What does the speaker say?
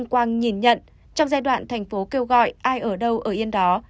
quang nhìn nhận trong giai đoạn tp hcm kêu gọi ai ở đâu ở yên đó